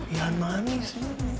ya manis sih